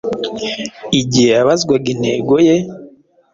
Igihe yabazwaga intego ye,